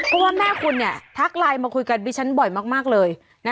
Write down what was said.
เพราะว่าแม่คุณทักไลน์มาคุยกันดิฉันบ่อยมากเลย